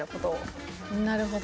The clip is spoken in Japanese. なるほど。